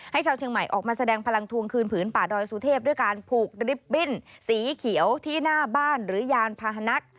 ชาวเชียงใหม่ออกมาแสดงพลังทวงคืนผืนป่าดอยสุเทพด้วยการผูกริบบิ้นสีเขียวที่หน้าบ้านหรือยานพาหนะ